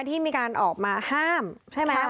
ที่มีการออกมาห้ามใช่ไหมครับ